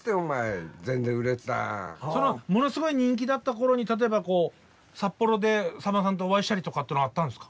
ものすごい人気だった頃に例えばこう札幌でさんまさんとお会いしたりとかってのはあったんですか？